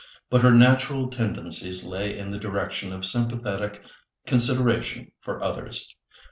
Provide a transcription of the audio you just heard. But her natural tendencies lay in the direction of sympathetic consideration for others.